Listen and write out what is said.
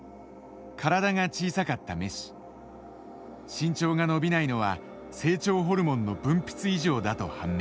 身長が伸びないのは成長ホルモンの分泌異常だと判明。